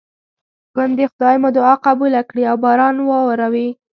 ګوندې خدای مو دعا قبوله کړي او باران راواوري.